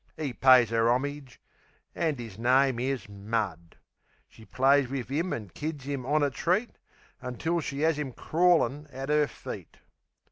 'E pays 'er 'omage an' 'is name is Mud. She plays wiv'im an' kids 'im on a treat, Until she 'as 'im crawlin' at 'er feet.